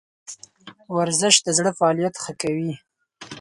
ورزش د زړه فعالیت ښه کوي